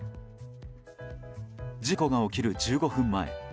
事故が起きる１５分前。